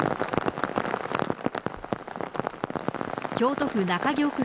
京都府中京区